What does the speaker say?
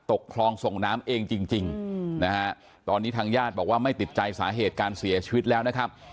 ตกคลองส่งน้ำเองจริงนะฮะตอนนี้ทางญาติบอกว่าไม่ติดใจสาเหตุการเสียชีวิตแล้วนะครับ